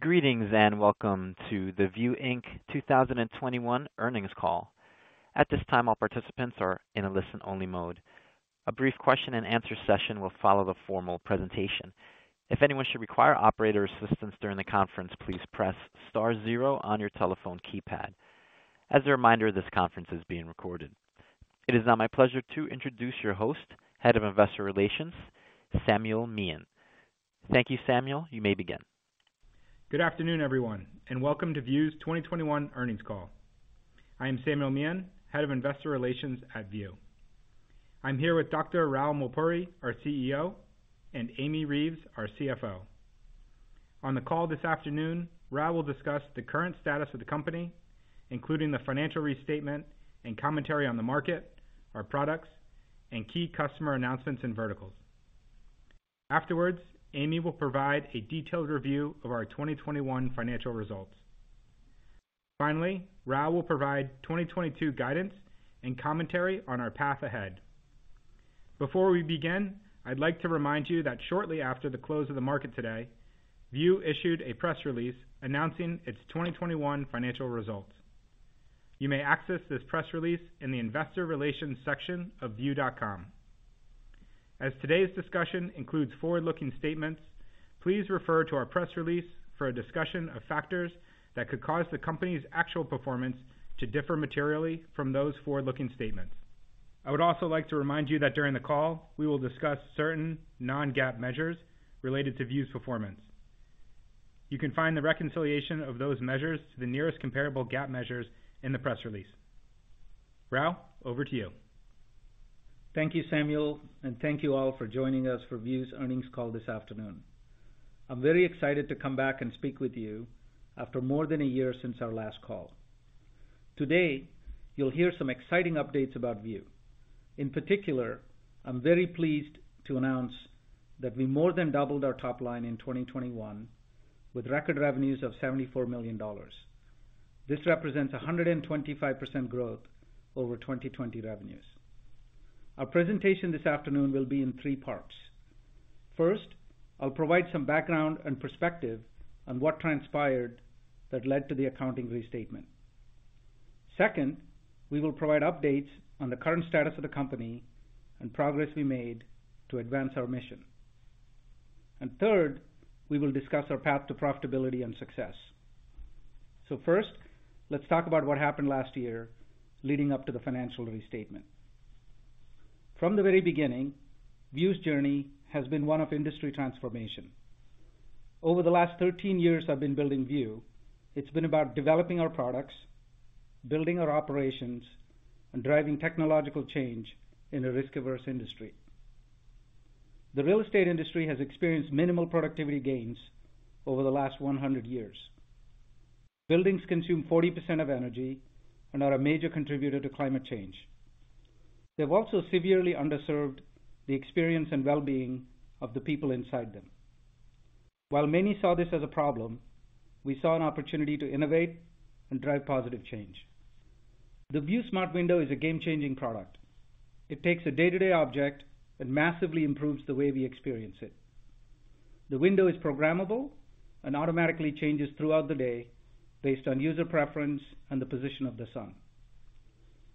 Greetings, and welcome to the View, Inc. 2021 earnings call. At this time, all participants are in a listen-only mode. A brief question and answer session will follow the formal presentation. If anyone should require operator assistance during the conference, please press star zero on your telephone keypad. As a reminder, this conference is being recorded. It is now my pleasure to introduce your host, Head of Investor Relations, Samuel Meehan. Thank you, Samuel. You may begin. Good afternoon, everyone, and welcome to View's 2021 earnings call. I am Samuel Meehan, Head of Investor Relations at View. I'm here with Dr. Rao Mulpuri, our CEO, and Amy Reeves, our CFO. On the call this afternoon, Rao will discuss the current status of the company, including the financial restatement and commentary on the market, our products, and key customer announcements and verticals. Afterwards, Amy will provide a detailed review of our 2021 financial results. Finally, Rao will provide 2022 guidance and commentary on our path ahead. Before we begin, I'd like to remind you that shortly after the close of the market today, View issued a press release announcing its 2021 financial results. You may access this press release in the investor relations section of view.com. As today's discussion includes forward-looking statements, please refer to our press release for a discussion of factors that could cause the company's actual performance to differ materially from those forward-looking statements. I would also like to remind you that during the call, we will discuss certain non-GAAP measures related to View's performance. You can find the reconciliation of those measures to the nearest comparable GAAP measures in the press release. Rao, over to you. Thank you, Samuel, and thank you all for joining us for View's earnings call this afternoon. I'm very excited to come back and speak with you after more than a year since our last call. Today, you'll hear some exciting updates about View. In particular, I'm very pleased to announce that we more than doubled our top line in 2021 with record revenues of $74 million. This represents 125% growth over 2020 revenues. Our presentation this afternoon will be in three parts. First, I'll provide some background and perspective on what transpired that led to the accounting restatement. Second, we will provide updates on the current status of the company and progress we made to advance our mission. Third, we will discuss our path to profitability and success. First, let's talk about what happened last year leading up to the financial restatement. From the very beginning, View's journey has been one of industry transformation. Over the last 13 years I've been building View, it's been about developing our products, building our operations, and driving technological change in a risk-averse industry. The real estate industry has experienced minimal productivity gains over the last 100 years. Buildings consume 40% of energy and are a major contributor to climate change. They've also severely underserved the experience and well-being of the people inside them. While many saw this as a problem, we saw an opportunity to innovate and drive positive change. The View Smart Window is a game-changing product. It takes a day-to-day object and massively improves the way we experience it. The window is programmable and automatically changes throughout the day based on user preference and the position of the sun.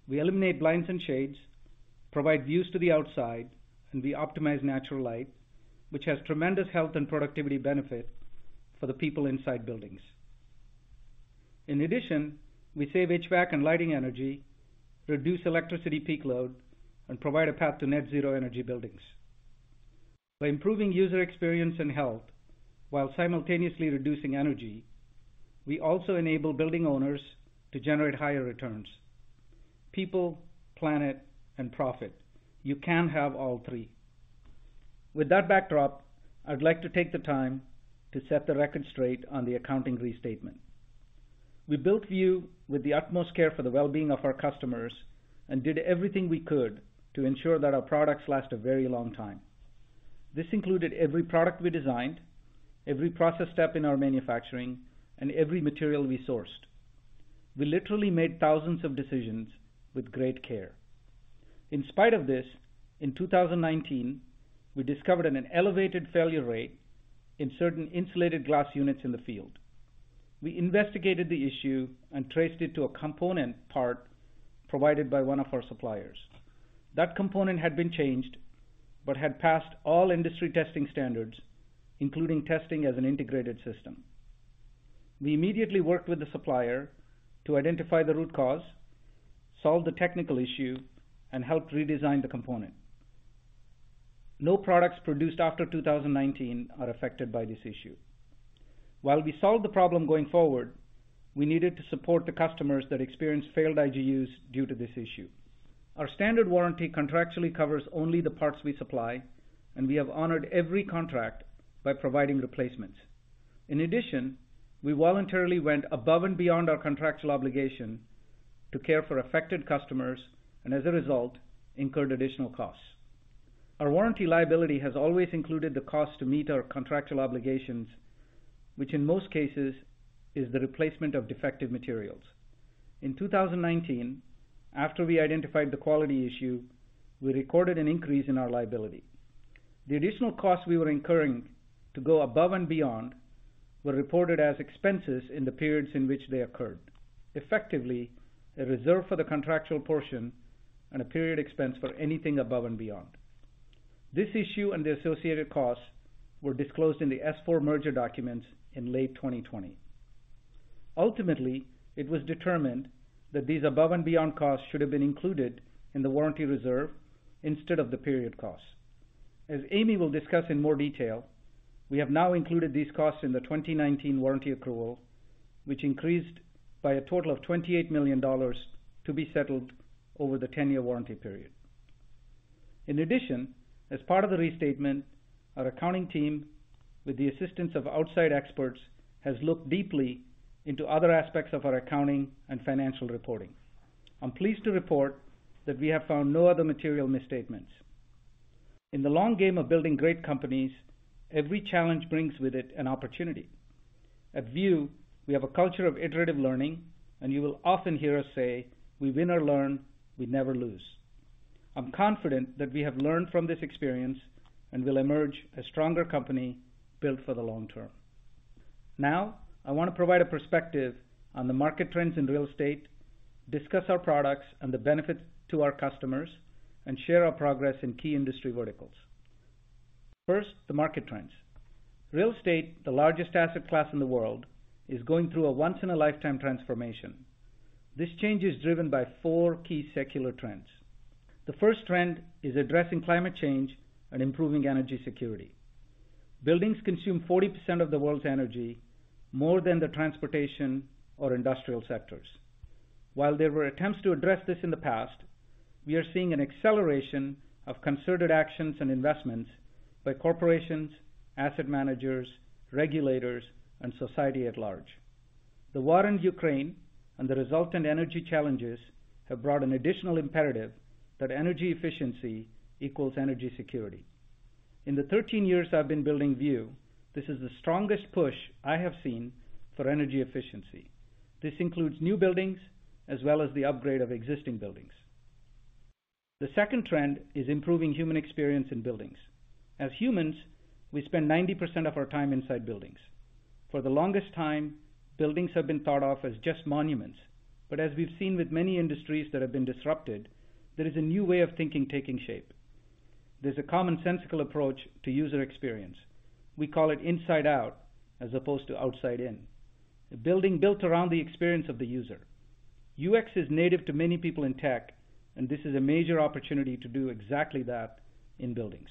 We eliminate blinds and shades, provide views to the outside, and we optimize natural light, which has tremendous health and productivity benefit for the people inside buildings. In addition, we save HVAC and lighting energy, reduce electricity peak load, and provide a path to net zero energy buildings. By improving user experience and health while simultaneously reducing energy, we also enable building owners to generate higher returns. People, planet, and profit. You can have all three. With that backdrop, I'd like to take the time to set the record straight on the accounting restatement. We built View with the utmost care for the well-being of our customers and did everything we could to ensure that our products last a very long time. This included every product we designed, every process step in our manufacturing, and every material we sourced. We literally made thousands of decisions with great care. In spite of this, in 2019, we discovered an elevated failure rate in certain insulated glass units in the field. We investigated the issue and traced it to a component part provided by one of our suppliers. That component had been changed, but had passed all industry testing standards, including testing as an integrated system. We immediately worked with the supplier to identify the root cause, solve the technical issue, and helped redesign the component. No products produced after 2019 are affected by this issue. While we solved the problem going forward, we needed to support the customers that experienced failed IGUs due to this issue. Our standard warranty contractually covers only the parts we supply, and we have honored every contract by providing replacements. In addition, we voluntarily went above and beyond our contractual obligation to care for affected customers, and as a result, incurred additional costs. Our warranty liability has always included the cost to meet our contractual obligations, which in most cases is the replacement of defective materials. In 2019, after we identified the quality issue, we recorded an increase in our liability. The additional costs we were incurring to go above and beyond were reported as expenses in the periods in which they occurred. Effectively, a reserve for the contractual portion and a period expense for anything above and beyond. This issue and the associated costs were disclosed in the S-4 merger documents in late 2020. Ultimately, it was determined that these above and beyond costs should have been included in the warranty reserve instead of the period costs. As Amy will discuss in more detail, we have now included these costs in the 2019 warranty accrual, which increased by a total of $28 million to be settled over the 10-year warranty period. In addition, as part of the restatement, our accounting team, with the assistance of outside experts, has looked deeply into other aspects of our accounting and financial reporting. I'm pleased to report that we have found no other material misstatements. In the long game of building great companies, every challenge brings with it an opportunity. At View, we have a culture of iterative learning, and you will often hear us say, "We win or learn, we never lose." I'm confident that we have learned from this experience and will emerge a stronger company built for the long term. Now, I want to provide a perspective on the market trends in real estate, discuss our products and the benefits to our customers, and share our progress in key industry verticals. First, the market trends. Real estate, the largest asset class in the world, is going through a once-in-a-lifetime transformation. This change is driven by four key secular trends. The first trend is addressing climate change and improving energy security. Buildings consume 40% of the world's energy, more than the transportation or industrial sectors. While there were attempts to address this in the past, we are seeing an acceleration of concerted actions and investments by corporations, asset managers, regulators, and society at large. The war in Ukraine and the resultant energy challenges have brought an additional imperative that energy efficiency equals energy security. In the 13 years I've been building View, this is the strongest push I have seen for energy efficiency. This includes new buildings as well as the upgrade of existing buildings. The second trend is improving human experience in buildings. As humans, we spend 90% of our time inside buildings. For the longest time, buildings have been thought of as just monuments. As we've seen with many industries that have been disrupted, there is a new way of thinking taking shape. There's a commonsensical approach to user experience. We call it inside out as opposed to outside in. A building built around the experience of the user. UX is native to many people in tech, and this is a major opportunity to do exactly that in buildings.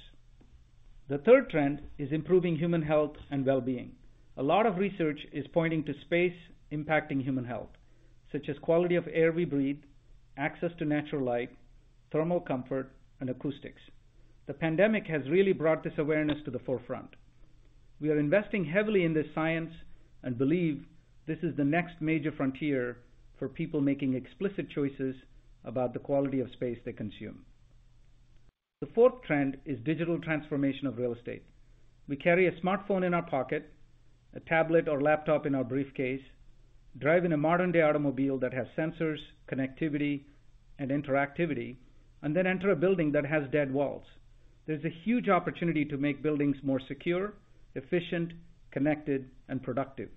The third trend is improving human health and wellbeing. A lot of research is pointing to space impacting human health, such as quality of air we breathe, access to natural light, thermal comfort, and acoustics. The pandemic has really brought this awareness to the forefront. We are investing heavily in this science and believe this is the next major frontier for people making explicit choices about the quality of space they consume. The fourth trend is digital transformation of real estate. We carry a smartphone in our pocket, a tablet or laptop in our briefcase, drive in a modern-day automobile that has sensors, connectivity, and interactivity, and then enter a building that has dead walls. There's a huge opportunity to make buildings more secure, efficient, connected, and productive.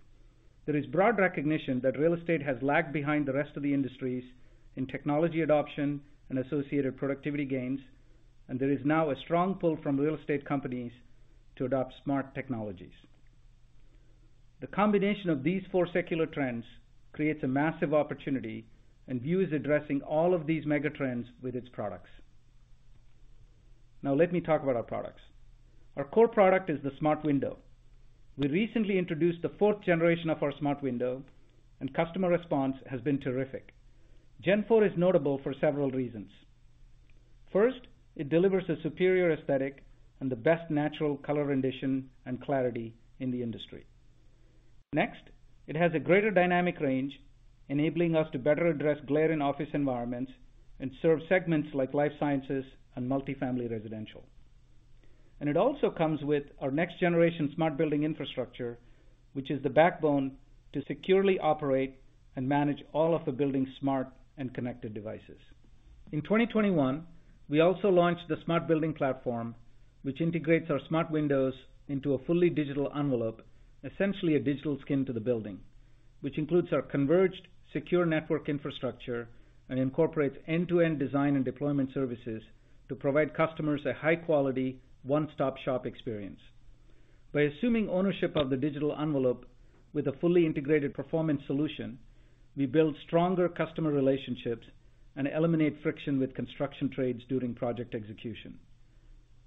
There is broad recognition that real estate has lagged behind the rest of the industries in technology adoption and associated productivity gains, and there is now a strong pull from real estate companies to adopt smart technologies. The combination of these four secular trends creates a massive opportunity, and View is addressing all of these mega trends with its products. Now let me talk about our products. Our core product is the smart window. We recently introduced the fourth generation of our smart window, and customer response has been terrific. Gen four is notable for several reasons. First, it delivers a superior aesthetic and the best natural color rendition and clarity in the industry. Next, it has a greater dynamic range, enabling us to better address glare in office environments and serve segments like life sciences and multifamily residential. It also comes with our next generation smart building infrastructure, which is the backbone to securely operate and manage all of the building's smart and connected devices. In 2021, we also launched the Smart Building Platform, which integrates our Smart Windows into a fully digital envelope, essentially a digital skin to the building, which includes our converged secure network infrastructure and incorporates end-to-end design and deployment services to provide customers a high-quality, one-stop-shop experience. By assuming ownership of the digital envelope with a fully integrated performance solution, we build stronger customer relationships and eliminate friction with construction trades during project execution.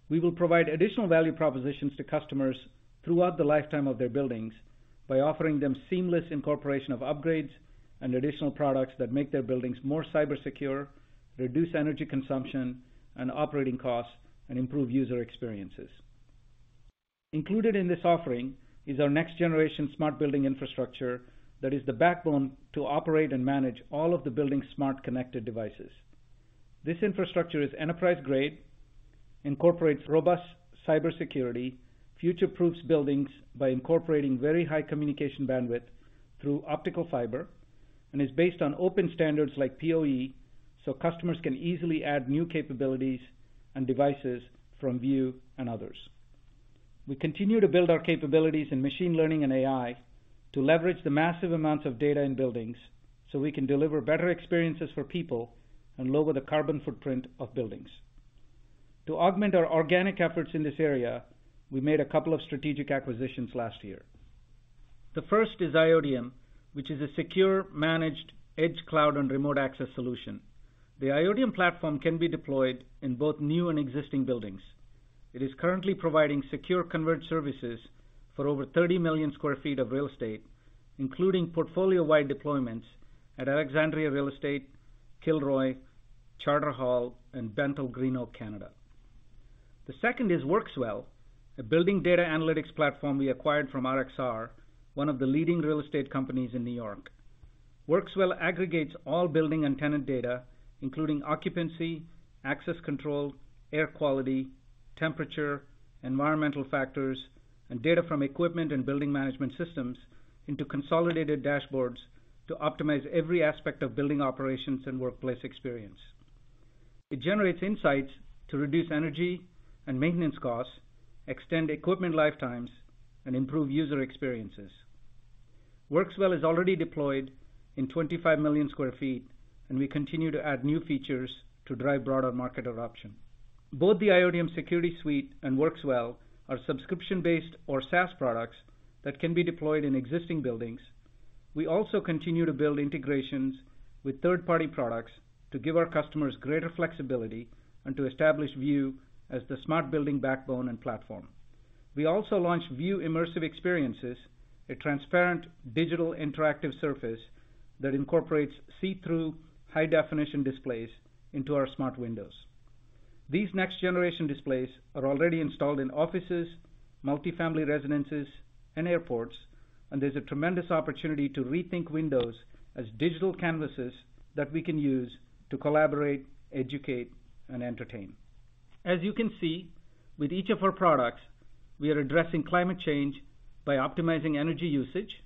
We will provide additional value propositions to customers throughout the lifetime of their buildings by offering them seamless incorporation of upgrades and additional products that make their buildings more cybersecure, reduce energy consumption and operating costs, and improve user experiences. Included in this offering is our next generation smart building infrastructure that is the backbone to operate and manage all of the building's smart connected devices. This infrastructure is enterprise-grade, incorporates robust cybersecurity, future-proofs buildings by incorporating very high communication bandwidth through optical fiber, and is based on open standards like PoE, so customers can easily add new capabilities and devices from View and others. We continue to build our capabilities in machine learning and AI to leverage the massive amounts of data in buildings, so we can deliver better experiences for people and lower the carbon footprint of buildings. To augment our organic efforts in this area, we made a couple of strategic acquisitions last year. The first is IoTium, which is a secure managed edge cloud and remote access solution. The IoTium platform can be deployed in both new and existing buildings. It is currently providing secure connectivity services for over 30 million sq ft of real estate, including portfolio-wide deployments at Alexandria Real Estate, Kilroy, Charter Hall, and BentallGreenOak. The second is WorxWell, a building data analytics platform we acquired from RXR, one of the leading real estate companies in New York. WorxWell aggregates all building and tenant data, including occupancy, access control, air quality, temperature, environmental factors, and data from equipment and building management systems into consolidated dashboards to optimize every aspect of building operations and workplace experience. It generates insights to reduce energy and maintenance costs, extend equipment lifetimes, and improve user experiences. WorxWell is already deployed in 25 million sq ft, and we continue to add new features to drive broader market adoption. Both the IoTium security suite and WorxWell are subscription-based or SaaS products that can be deployed in existing buildings. We also continue to build integrations with third-party products to give our customers greater flexibility and to establish View as the smart building backbone and platform. We also launched View Immersive Experiences, a transparent digital interactive surface that incorporates see-through high-definition displays into our smart windows. These next generation displays are already installed in offices, multi-family residences, and airports, and there's a tremendous opportunity to rethink windows as digital canvases that we can use to collaborate, educate, and entertain. As you can see, with each of our products, we are addressing climate change by optimizing energy usage,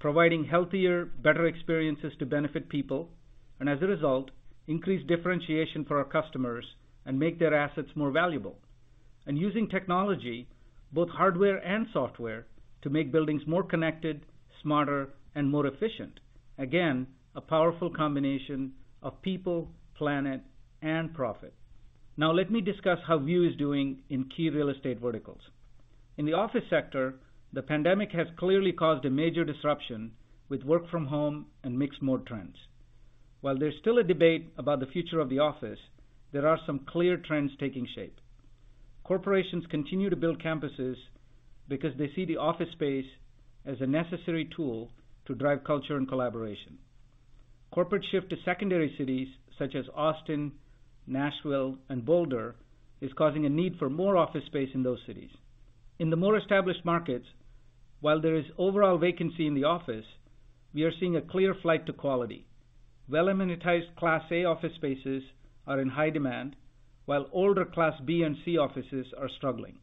providing healthier, better experiences to benefit people, and as a result, increase differentiation for our customers and make their assets more valuable. Using technology, both hardware and software, to make buildings more connected, smarter, and more efficient. Again, a powerful combination of people, planet, and profit. Now let me discuss how View is doing in key real estate verticals. In the office sector, the pandemic has clearly caused a major disruption with work from home and mixed mode trends. While there's still a debate about the future of the office, there are some clear trends taking shape. Corporations continue to build campuses because they see the office space as a necessary tool to drive culture and collaboration. Corporate shift to secondary cities such as Austin, Nashville, and Boulder is causing a need for more office space in those cities. In the more established markets, while there is overall vacancy in the office, we are seeing a clear flight to quality. Well-amenitized Class A office spaces are in high demand, while older Class B and C offices are struggling.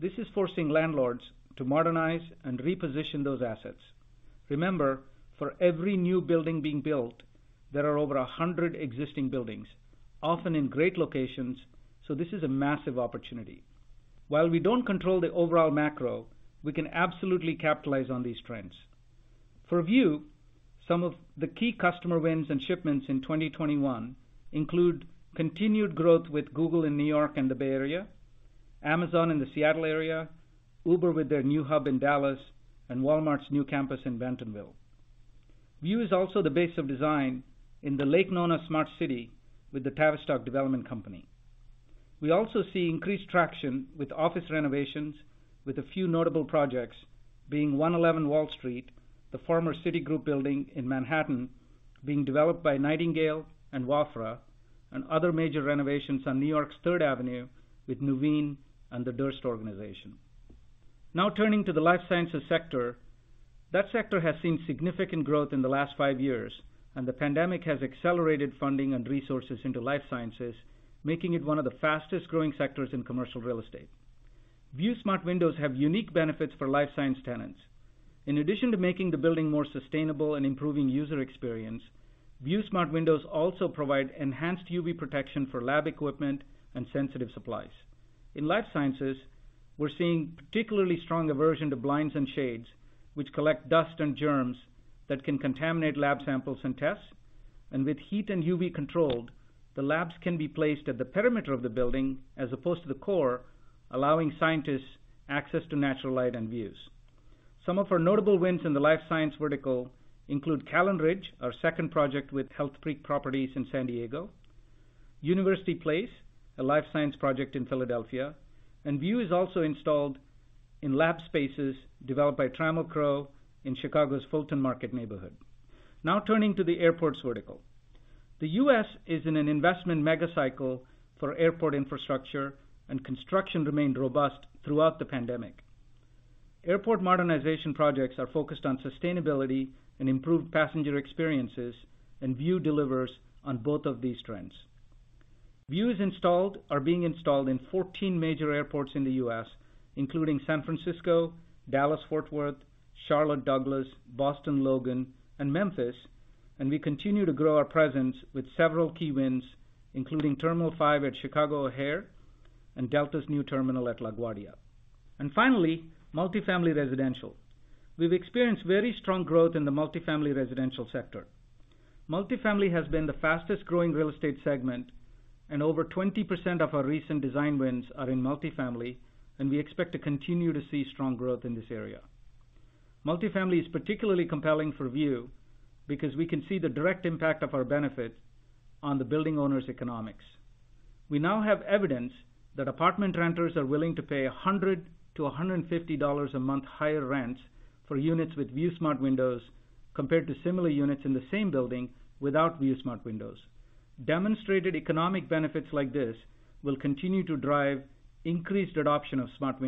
This is forcing landlords to modernize and reposition those assets. Remember, for every new building being built, there are over 100 existing buildings, often in great locations, so this is a massive opportunity. While we don't control the overall macro, we can absolutely capitalize on these trends. For View, some of the key customer wins and shipments in 2021 include continued growth with Google in New York and the Bay Area, Amazon in the Seattle area, Uber with their new hub in Dallas, and Walmart's new campus in Bentonville. View is also the base of design in the Lake Nona smart city with the Tavistock Development Company. We also see increased traction with office renovations, with a few notable projects being 111 Wall Street, the former Citigroup building in Manhattan, being developed by Nightingale and Wafra, and other major renovations on New York's Third Avenue with Nuveen and the Durst Organization. Now turning to the life sciences sector. That sector has seen significant growth in the last five years, and the pandemic has accelerated funding and resources into life sciences, making it one of the fastest-growing sectors in commercial real estate. View Smart Windows have unique benefits for life science tenants. In addition to making the building more sustainable and improving user experience, View Smart Windows also provide enhanced UV protection for lab equipment and sensitive supplies. In life sciences, we're seeing particularly strong aversion to blinds and shades, which collect dust and germs that can contaminate lab samples and tests. With heat and UV controlled, the labs can be placed at the perimeter of the building as opposed to the core, allowing scientists access to natural light and views. Some of our notable wins in the life science vertical include Callan Ridge, our second project with Healthpeak Properties in San Diego, University Place, a life science project in Philadelphia, and View is also installed in lab spaces developed by Trammell Crow in Chicago's Fulton Market neighborhood. Now turning to the airports vertical. The US is in an investment mega cycle for airport infrastructure, and construction remained robust throughout the pandemic. Airport modernization projects are focused on sustainability and improved passenger experiences, and View delivers on both of these trends. Views are being installed in 14 major airports in the US, including San Francisco, Dallas Fort Worth, Charlotte Douglas, Boston Logan, and Memphis, and we continue to grow our presence with several key wins, including Terminal 5 at Chicago O'Hare and Delta's new terminal at LaGuardia. Finally, multifamily residential. We've experienced very strong growth in the multifamily residential sector. Multifamily has been the fastest growing real estate segment, and over 20% of our recent design wins are in multifamily, and we expect to continue to see strong growth in this area. Multifamily is particularly compelling for View because we can see the direct impact of our benefit on the building owner's economics. We now have evidence that apartment renters are willing to pay $100-$150 a month higher rents for units with View Smart Windows compared to similar units in the same building without View Smart Windows. Demonstrated economic benefits like this will continue to drive increased adoption of smart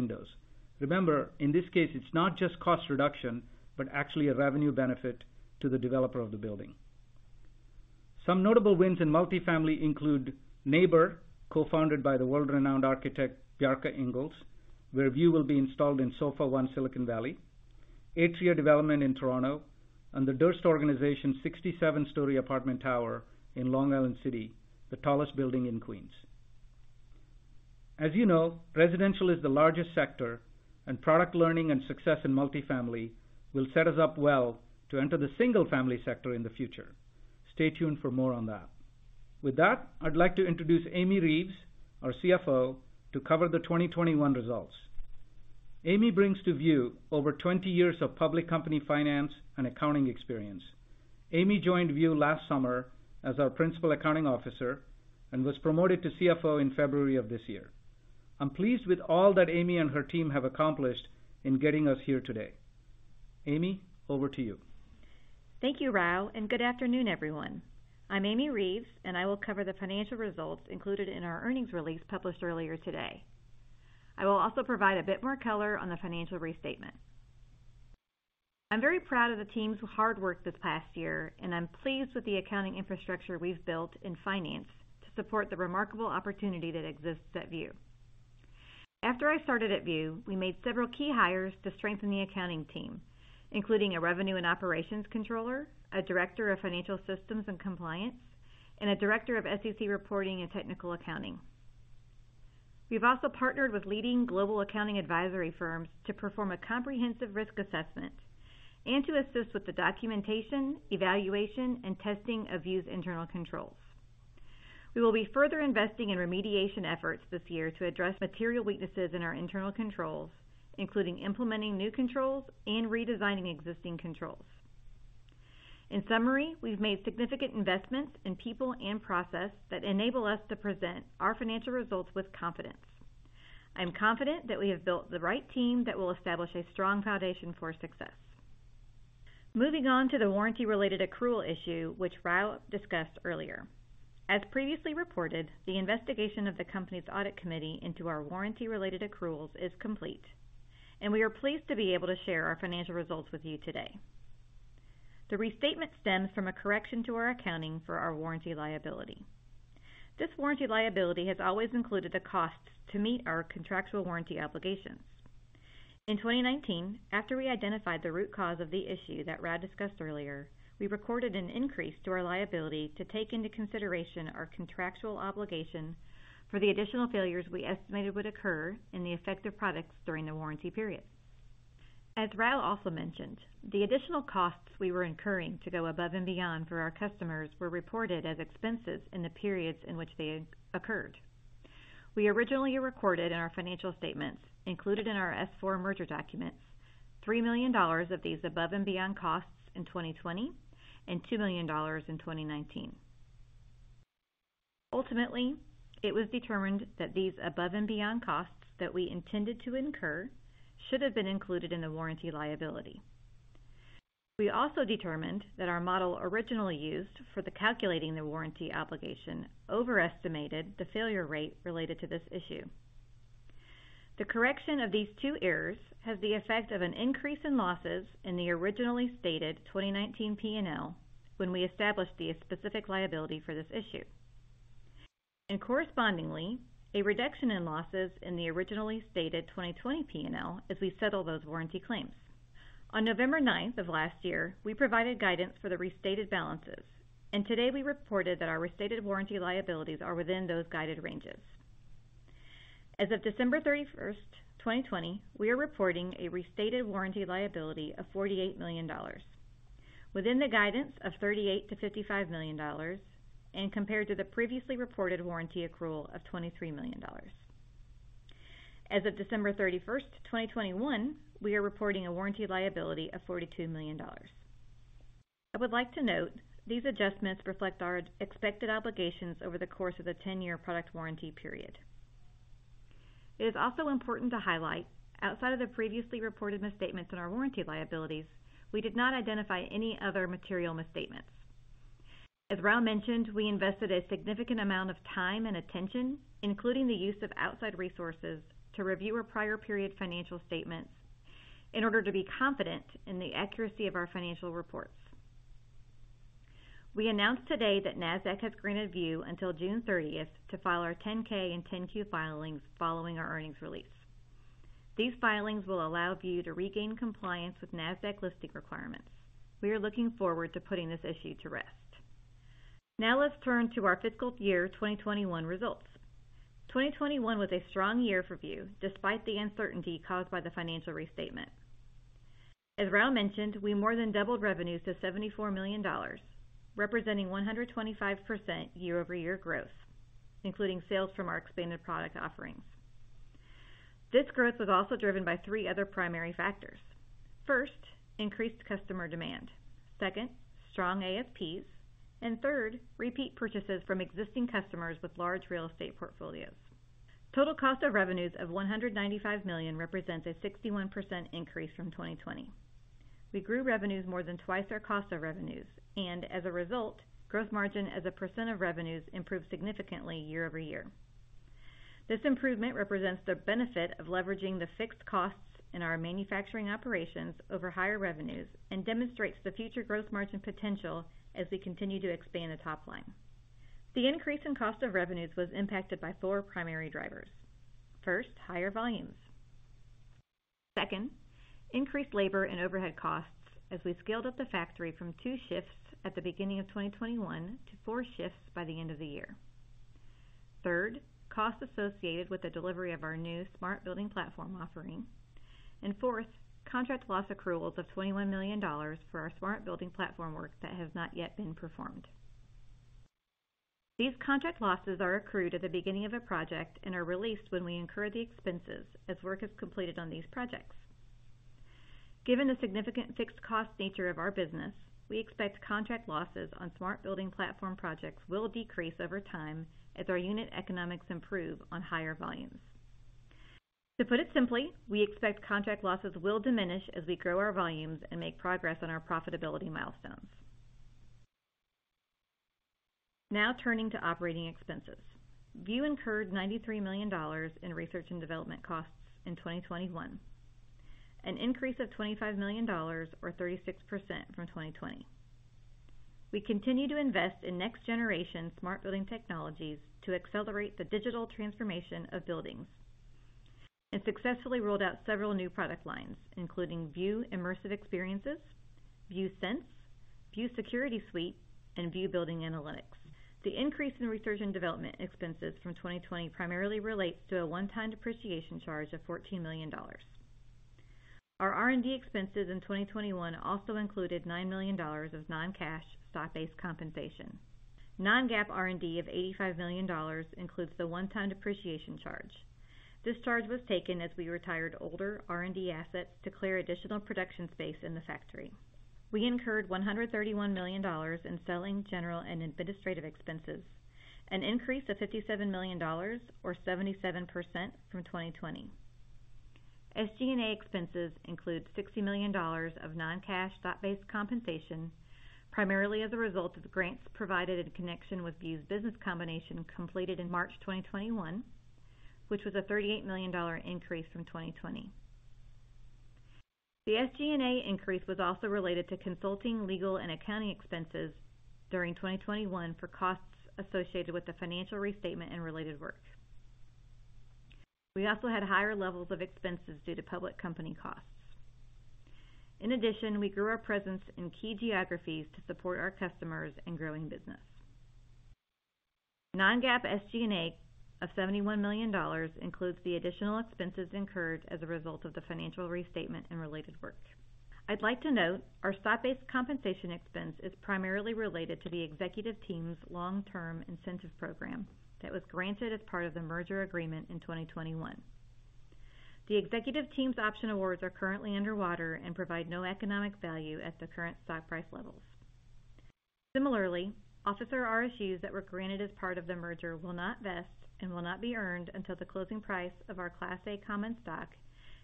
windows. Remember, in this case, it's not just cost reduction, but actually a revenue benefit to the developer of the building. Some notable wins in multifamily include Nabr, co-founded by the world-renowned architect, Bjarke Ingels, where View will be installed in SoFA One Silicon Valley, Atria Development in Toronto, and the Durst Organization 67-story apartment tower in Long Island City, the tallest building in Queens. As you know, residential is the largest sector, and product learning and success in multifamily will set us up well to enter the single-family sector in the future. Stay tuned for more on that. With that, I'd like to introduce Amy Reeves, our CFO, to cover the 2021 results. Amy brings to View over 20 years of public company finance and accounting experience. Amy joined View last summer as our principal accounting officer and was promoted to CFO in February of this year. I'm pleased with all that Amy and her team have accomplished in getting us here today. Amy, over to you. Thank you, Rao, and good afternoon, everyone. I'm Amy Reeves, and I will cover the financial results included in our earnings release published earlier today. I will also provide a bit more color on the financial restatement. I'm very proud of the team's hard work this past year, and I'm pleased with the accounting infrastructure we've built in finance to support the remarkable opportunity that exists at View. After I started at View, we made several key hires to strengthen the accounting team, including a revenue and operations controller, a director of financial systems and compliance, and a director of SEC reporting and technical accounting. We've also partnered with leading global accounting advisory firms to perform a comprehensive risk assessment and to assist with the documentation, evaluation, and testing of View's internal controls. We will be further investing in remediation efforts this year to address material weaknesses in our internal controls, including implementing new controls and redesigning existing controls. In summary, we've made significant investments in people and process that enable us to present our financial results with confidence. I'm confident that we have built the right team that will establish a strong foundation for success. Moving on to the warranty-related accrual issue, which Rao discussed earlier. As previously reported, the investigation of the company's audit committee into our warranty-related accruals is complete, and we are pleased to be able to share our financial results with you today. The restatement stems from a correction to our accounting for our warranty liability. This warranty liability has always included the costs to meet our contractual warranty obligations. In 2019, after we identified the root cause of the issue that Rao discussed earlier, we recorded an increase to our liability to take into consideration our contractual obligation for the additional failures we estimated would occur in the effective products during the warranty period. As Rao also mentioned, the additional costs we were incurring to go above and beyond for our customers were reported as expenses in the periods in which they occurred. We originally recorded in our financial statements included in our S-4 merger documents $3 million of these above and beyond costs in 2020 and $2 million in 2019. Ultimately, it was determined that these above and beyond costs that we intended to incur should have been included in the warranty liability. We also determined that our model originally used for calculating the warranty obligation overestimated the failure rate related to this issue. The correction of these two errors has the effect of an increase in losses in the originally stated 2019 P&L when we established the specific liability for this issue, and correspondingly, a reduction in losses in the originally stated 2020 P&L as we settle those warranty claims. On November 9 of last year, we provided guidance for the restated balances, and today we reported that our restated warranty liabilities are within those guided ranges. As of December 31, 2020, we are reporting a restated warranty liability of $48 million within the guidance of $38 million-$55 million and compared to the previously reported warranty accrual of $23 million. As of December 31, 2021, we are reporting a warranty liability of $42 million. I would like to note these adjustments reflect our expected obligations over the course of the 10-year product warranty period. It is also important to highlight, outside of the previously reported misstatements in our warranty liabilities, we did not identify any other material misstatements. As Rao mentioned, we invested a significant amount of time and attention, including the use of outside resources, to review our prior period financial statements in order to be confident in the accuracy of our financial reports. We announced today that Nasdaq has granted View until June 30 to file our 10-K and 10-Q filings following our earnings release. These filings will allow View to regain compliance with Nasdaq listing requirements. We are looking forward to putting this issue to rest. Now let's turn to our fiscal year 2021 results. 2021 was a strong year for View, despite the uncertainty caused by the financial restatement. As Rao mentioned, we more than doubled revenues to $74 million, representing 125% year-over-year growth, including sales from our expanded product offerings. This growth was also driven by three other primary factors. First, increased customer demand. Second, strong ASPs. Third, repeat purchases from existing customers with large real estate portfolios. Total cost of revenues of $195 million represents a 61% increase from 2020. We grew revenues more than twice our cost of revenues, and as a result, gross margin as a percent of revenues improved significantly year-over-year. This improvement represents the benefit of leveraging the fixed costs in our manufacturing operations over higher revenues and demonstrates the future gross margin potential as we continue to expand the top line. The increase in cost of revenues was impacted by four primary drivers. First, higher volumes. Second, increased labor and overhead costs as we scaled up the factory from two shifts at the beginning of 2021 to four shifts by the end of the year. Third, costs associated with the delivery of our new smart building platform offering. And fourth, contract loss accruals of $21 million for our smart building platform work that has not yet been performed. These contract losses are accrued at the beginning of a project and are released when we incur the expenses as work is completed on these projects. Given the significant fixed cost nature of our business, we expect contract losses on smart building platform projects will decrease over time as our unit economics improve on higher volumes. To put it simply, we expect contract losses will diminish as we grow our volumes and make progress on our profitability milestones. Now turning to operating expenses. View incurred $93 million in research and development costs in 2021, an increase of $25 million or 36% from 2020. We continue to invest in next-generation smart building technologies to accelerate the digital transformation of buildings and successfully rolled out several new product lines, including View Immersive Experiences, View Sense, View Security Suite, and View Building Analytics. The increase in research and development expenses from 2020 primarily relates to a one-time depreciation charge of $14 million. Our R&D expenses in 2021 also included $9 million of non-cash stock-based compensation. Non-GAAP R&D of $85 million includes the one-time depreciation charge. This charge was taken as we retired older R&D assets to clear additional production space in the factory. We incurred $131 million in selling, general, and administrative expenses, an increase of $57 million or 77% from 2020. SG&A expenses include $60 million of non-cash stock-based compensation, primarily as a result of the grants provided in connection with View's business combination completed in March 2021, which was a $38 million increase from 2020. The SG&A increase was also related to consulting, legal, and accounting expenses during 2021 for costs associated with the financial restatement and related work. We also had higher levels of expenses due to public company costs. In addition, we grew our presence in key geographies to support our customers and growing business. Non-GAAP SG&A of $71 million includes the additional expenses incurred as a result of the financial restatement and related work. I'd like to note our stock-based compensation expense is primarily related to the executive team's long-term incentive program that was granted as part of the merger agreement in 2021. The executive team's option awards are currently underwater and provide no economic value at the current stock price levels. Similarly, officer RSUs that were granted as part of the merger will not vest and will not be earned until the closing price of our Class A common stock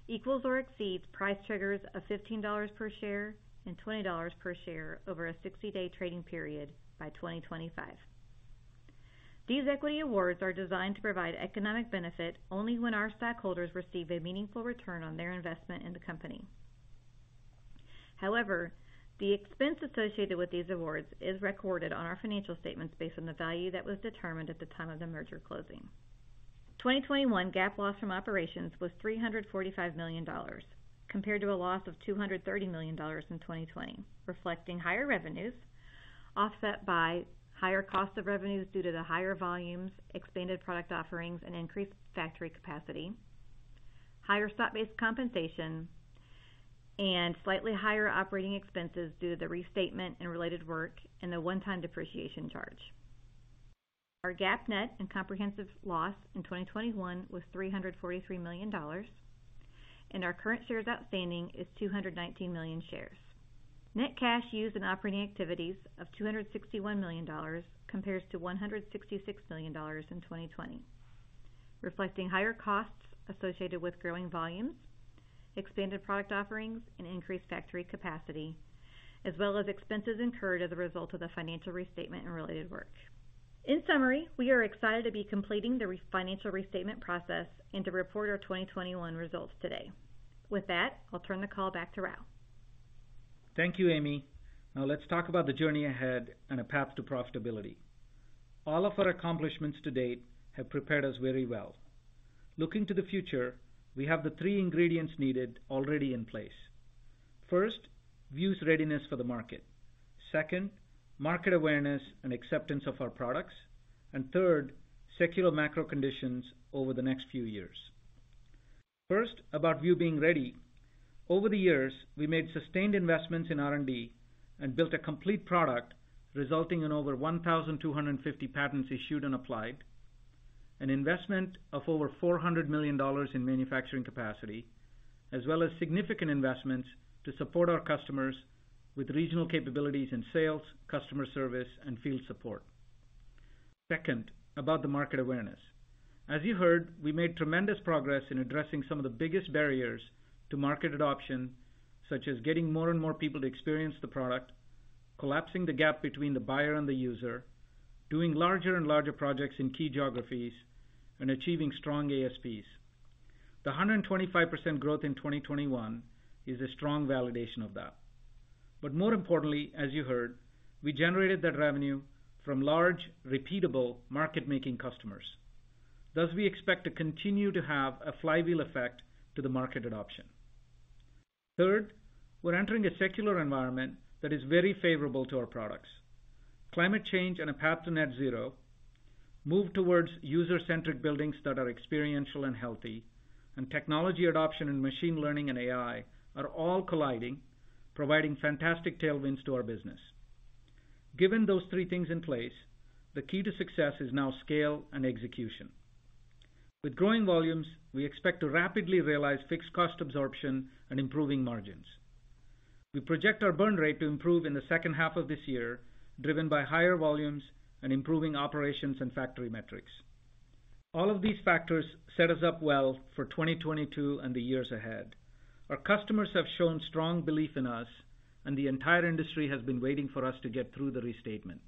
equals or exceeds price triggers of $15 per share and $20 per share over a 60-day trading period by 2025. These equity awards are designed to provide economic benefit only when our stockholders receive a meaningful return on their investment in the company. However, the expense associated with these awards is recorded on our financial statements based on the value that was determined at the time of the merger closing. 2021 GAAP loss from operations was $345 million, compared to a loss of $230 million in 2020, reflecting higher revenues, offset by higher cost of revenues due to the higher volumes, expanded product offerings, and increased factory capacity, higher stock-based compensation, and slightly higher operating expenses due to the restatement and related work, and the one-time depreciation charge. Our GAAP net and comprehensive loss in 2021 was $343 million, and our current shares outstanding is 219 million shares. Net cash used in operating activities of $261 million compares to $166 million in 2020, reflecting higher costs associated with growing volumes, expanded product offerings and increased factory capacity, as well as expenses incurred as a result of the financial restatement and related work. In summary, we are excited to be completing the financial restatement process and to report our 2021 results today. With that, I'll turn the call back to Rao. Thank you, Amy. Now let's talk about the journey ahead and a path to profitability. All of our accomplishments to date have prepared us very well. Looking to the future, we have the three ingredients needed already in place. First, View's readiness for the market. Second, market awareness and acceptance of our products. And third, secular macro conditions over the next few years. First, about View being ready. Over the years, we made sustained investments in R&D and built a complete product, resulting in over 1,250 patents issued and applied, an investment of over $400 million in manufacturing capacity, as well as significant investments to support our customers with regional capabilities in sales, customer service and field support. Second, about the market awareness. As you heard, we made tremendous progress in addressing some of the biggest barriers to market adoption, such as getting more and more people to experience the product, collapsing the gap between the buyer and the user, doing larger and larger projects in key geographies, and achieving strong ASPs. The 125% growth in 2021 is a strong validation of that. More importantly, as you heard, we generated that revenue from large, repeatable market-making customers. Thus, we expect to continue to have a flywheel effect to the market adoption. Third, we're entering a secular environment that is very favorable to our products. Climate change and a path to net zero, move towards user-centric buildings that are experiential and healthy, and technology adoption in machine learning and AI are all colliding, providing fantastic tailwinds to our business. Given those three things in place, the key to success is now scale and execution. With growing volumes, we expect to rapidly realize fixed cost absorption and improving margins. We project our burn rate to improve in the second half of this year, driven by higher volumes and improving operations and factory metrics. All of these factors set us up well for 2022 and the years ahead. Our customers have shown strong belief in us, and the entire industry has been waiting for us to get through the restatement.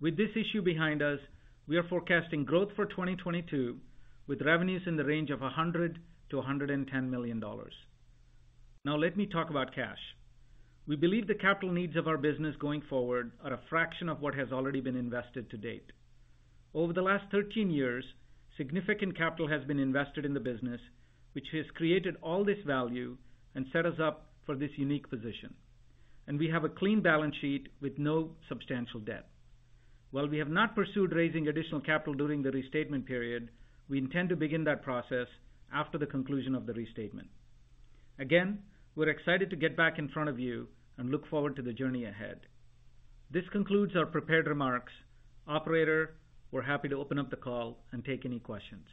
With this issue behind us, we are forecasting growth for 2022, with revenues in the range of $100 million-$110 million. Now let me talk about cash. We believe the capital needs of our business going forward are a fraction of what has already been invested to date. Over the last 13 years, significant capital has been invested in the business, which has created all this value and set us up for this unique position. We have a clean balance sheet with no substantial debt. While we have not pursued raising additional capital during the restatement period, we intend to begin that process after the conclusion of the restatement. Again, we're excited to get back in front of you and look forward to the journey ahead. This concludes our prepared remarks. Operator, we're happy to open up the call and take any questions.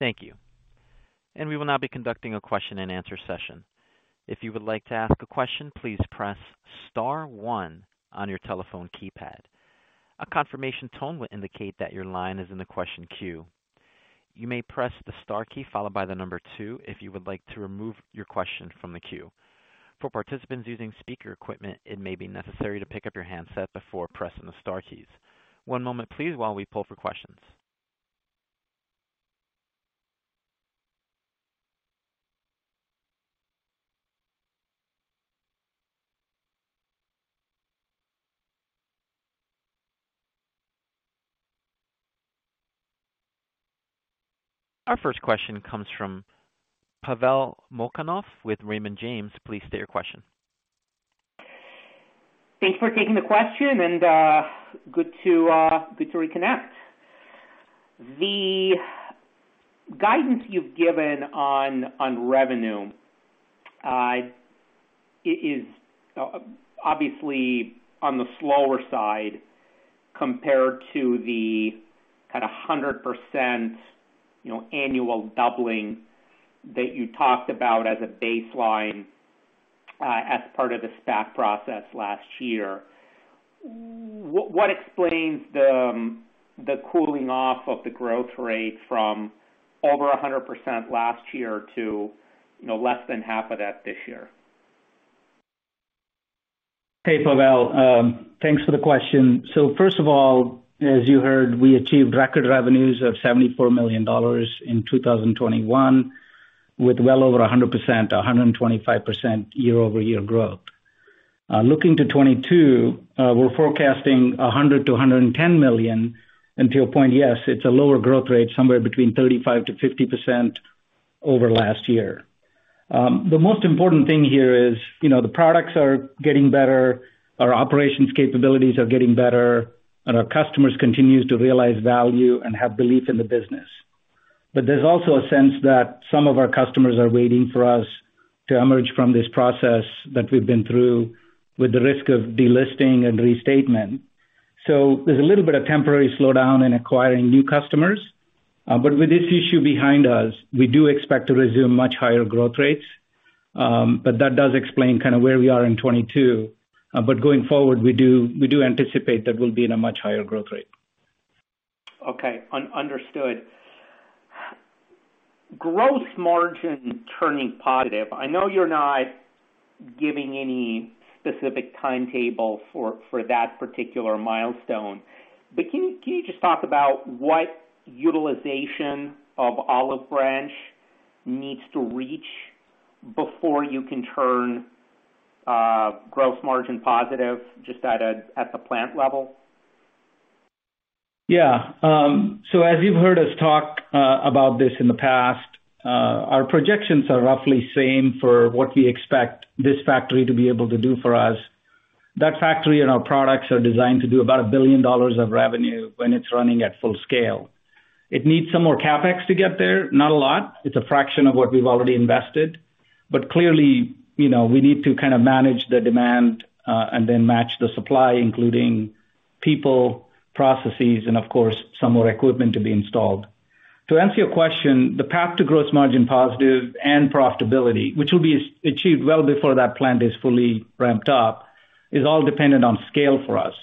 Thank you. We will now be conducting a question-and-answer session. If you would like to ask a question, please press star one on your telephone keypad. A confirmation tone will indicate that your line is in the question queue. You may press the star key followed by the number two if you would like to remove your question from the queue. For participants using speaker equipment, it may be necessary to pick up your handset before pressing the star keys. One moment please while we pull for questions. Our first question comes from Pavel Molchanov with Raymond James. Please state your question. Thanks for taking the question and good to reconnect. The guidance you've given on revenue is obviously on the slower side compared to the kinda 100%, you know, annual doubling that you talked about as a baseline as part of the S-4 process last year. What explains the cooling off of the growth rate from over 100% last year to, you know, less than half of that this year? Hey, Pavel. Thanks for the question. First of all, as you heard, we achieved record revenues of $74 million in 2021, with well over 100%-125% year-over-year growth. Looking to 2022, we're forecasting $100-$110 million. To your point, yes, it's a lower growth rate, somewhere between 35%-50% over last year. The most important thing here is, you know, the products are getting better, our operations capabilities are getting better, and our customers continue to realize value and have belief in the business. There's also a sense that some of our customers are waiting for us to emerge from this process that we've been through with the risk of delisting and restatement. There's a little bit of temporary slowdown in acquiring new customers. With this issue behind us, we do expect to resume much higher growth rates. That does explain kind of where we are in 2022. Going forward, we do anticipate that we'll be in a much higher growth rate. Okay. Understood. Gross margin turning positive. I know you're not giving any specific timetable for that particular milestone, but can you just talk about what utilization of Olive Branch needs to reach before you can turn gross margin positive just at the plant level? So as you've heard us talk about this in the past, our projections are roughly same for what we expect this factory to be able to do for us. That factory and our products are designed to do about $1 billion of revenue when it's running at full scale. It needs some more CapEx to get there. Not a lot. It's a fraction of what we've already invested. Clearly, you know, we need to kind of manage the demand, and then match the supply, including people, processes, and of course, some more equipment to be installed. To answer your question, the path to gross margin positive and profitability, which will be achieved well before that plant is fully ramped up, is all dependent on scale for us.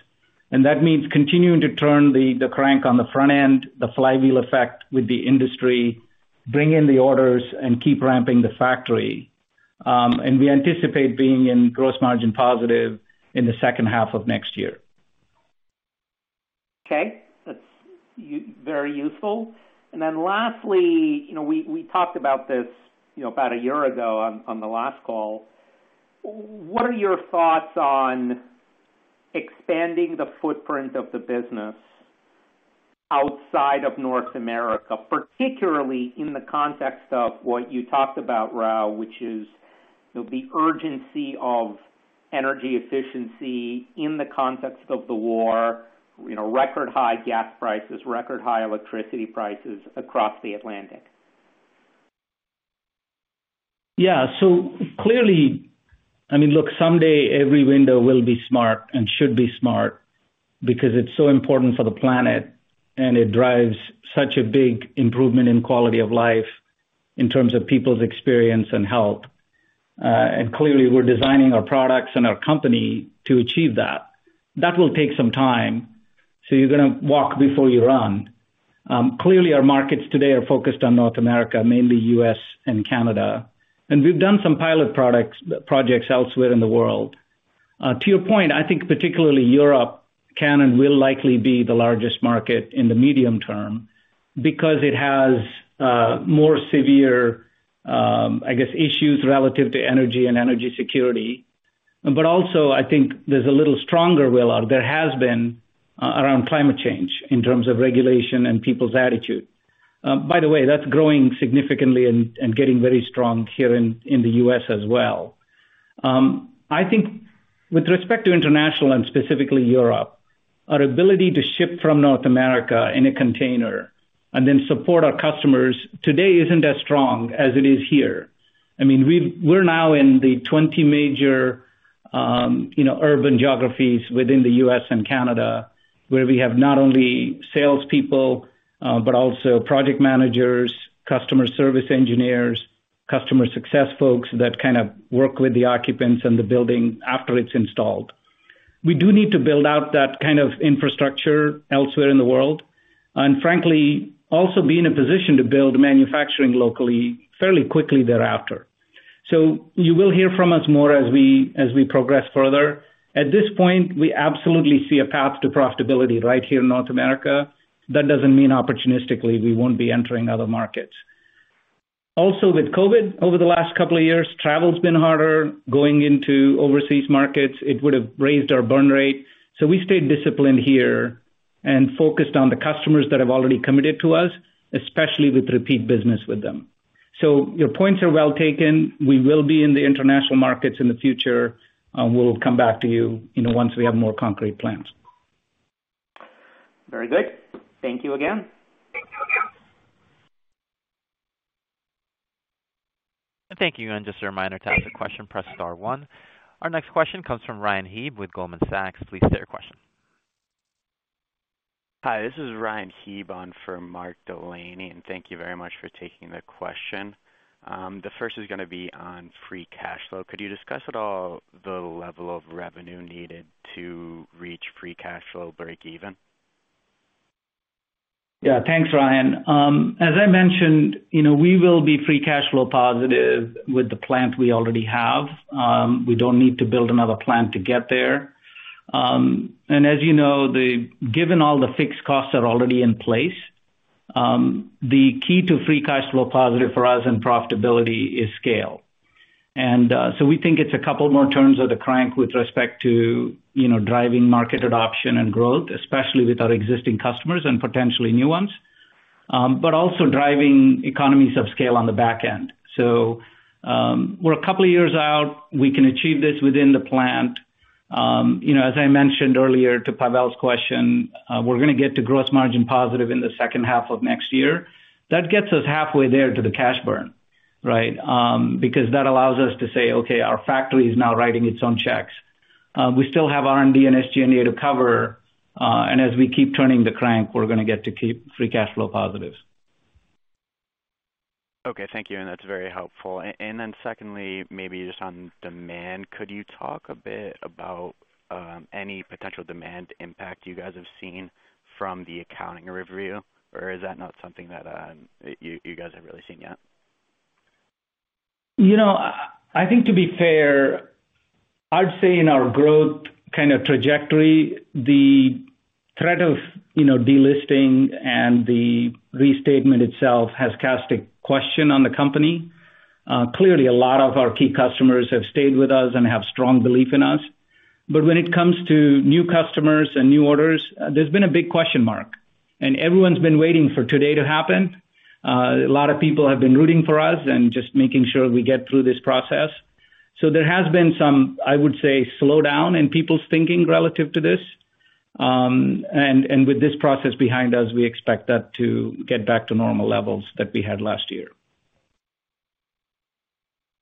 That means continuing to turn the crank on the front end, the flywheel effect with the industry, bring in the orders, and keep ramping the factory. We anticipate being in gross margin positive in the second half of next year. Okay. That's very useful. Then lastly, you know, we talked about this, you know, about a year ago on the last call. What are your thoughts on expanding the footprint of the business outside of North America, particularly in the context of what you talked about, Rao, which is the urgency of energy efficiency in the context of the war, you know, record high gas prices, record high electricity prices across the Atlantic? Yeah. Clearly, I mean, look, someday every window will be smart and should be smart because it's so important for the planet, and it drives such a big improvement in quality of life in terms of people's experience and health. Clearly, we're designing our products and our company to achieve that. That will take some time. You're gonna walk before you run. Clearly, our markets today are focused on North America, mainly U.S. and Canada. We've done some pilot projects elsewhere in the world. To your point, I think particularly Europe can and will likely be the largest market in the medium term because it has more severe, I guess, issues relative to energy and energy security. Also, I think there's a little stronger will, or there has been, around climate change in terms of regulation and people's attitude. By the way, that's growing significantly and getting very strong here in the U.S. as well. I think with respect to international and specifically Europe, our ability to ship from North America in a container and then support our customers today isn't as strong as it is here. I mean, we're now in the 20 major, you know, urban geographies within the U.S. and Canada, where we have not only salespeople, but also project managers, customer service engineers, customer success folks that kind of work with the occupants in the building after it's installed. We do need to build out that kind of infrastructure elsewhere in the world, and frankly, also be in a position to build manufacturing locally fairly quickly thereafter. You will hear from us more as we progress further. At this point, we absolutely see a path to profitability right here in North America. That doesn't mean opportunistically we won't be entering other markets. Also, with COVID over the last couple of years, travel's been harder. Going into overseas markets, it would have raised our burn rate. So we stayed disciplined here and focused on the customers that have already committed to us, especially with repeat business with them. So your points are well taken. We will be in the international markets in the future. We'll come back to you know, once we have more concrete plans. Very good. Thank you again. Thank you. Just a reminder, to ask a question, press star one. Our next question comes from Ryan Hieb with Goldman Sachs. Please state your question. Hi, this is Ryan Heeb on for Mark Delaney, and thank you very much for taking the question. The first is gonna be on free cash flow. Could you discuss at all the level of revenue needed to reach free cash flow break even? Yeah. Thanks, Ryan. As I mentioned, you know, we will be free cash flow positive with the plant we already have. We don't need to build another plant to get there. As you know, then, given all the fixed costs are already in place, the key to free cash flow positive for us and profitability is scale. We think it's a couple more turns of the crank with respect to, you know, driving market adoption and growth, especially with our existing customers and potentially new ones, but also driving economies of scale on the back end. We're a couple of years out. We can achieve this within the plant. You know, as I mentioned earlier to Pavel's question, we're gonna get to gross margin positive in the second half of next year. That gets us halfway there to the cash burn, right? Because that allows us to say, "Okay, our factory is now writing its own checks." We still have R&D and SG&A to cover, and as we keep turning the crank, we're gonna get to keep free cash flow positives. Okay. Thank you. That's very helpful. Secondly, maybe just on demand, could you talk a bit about any potential demand impact you guys have seen from the accounting review? Or is that not something that you guys have really seen yet? You know, I think to be fair, I'd say in our growth kind of trajectory, the threat of, you know, delisting and the restatement itself has cast a question on the company. Clearly, a lot of our key customers have stayed with us and have strong belief in us. When it comes to new customers and new orders, there's been a big question mark, and everyone's been waiting for today to happen. A lot of people have been rooting for us and just making sure we get through this process. There has been some, I would say, slowdown in people's thinking relative to this, and with this process behind us, we expect that to get back to normal levels that we had last year.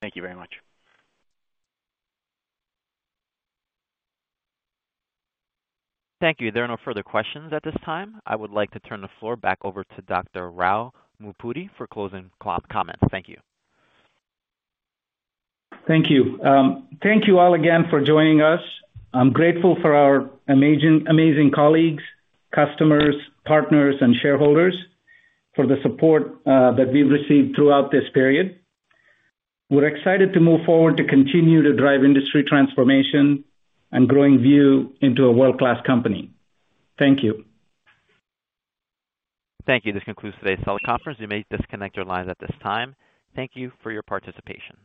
Thank you very much. Thank you. There are no further questions at this time. I would like to turn the floor back over to Dr. Rao Mulpuri for closing comments. Thank you. Thank you. Thank you all again for joining us. I'm grateful for our amazing colleagues, customers, partners, and shareholders for the support that we've received throughout this period. We're excited to move forward to continue to drive industry transformation and growing View into a world-class company. Thank you. Thank you. This concludes today's teleconference. You may disconnect your lines at this time. Thank you for your participation.